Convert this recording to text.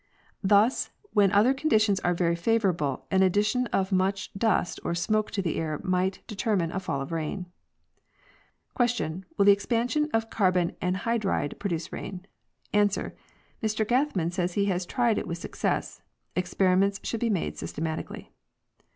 Thus, when other conditions are very favorable, an addition of much dust or smoke to the air might determine a fall of rain. Q. Will the expansion of carbon anhydride produce rain? A. Mr Gathman says he has tried it and with success. LExperi ments should be made systematically.